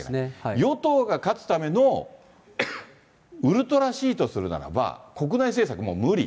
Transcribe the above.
与党が勝つためのウルトラＣとするならば、国内政策、もう無理。